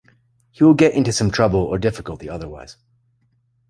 He will get into some trouble or difficulty otherwise.